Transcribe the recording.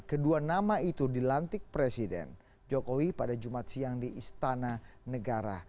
kedua nama itu dilantik presiden jokowi pada jumat siang di istana negara